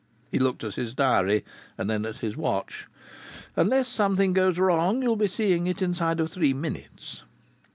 He looked at his diary and then at his watch. "Unless something goes wrong, you'll be seeing it inside of three minutes."